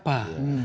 apa yang terjadi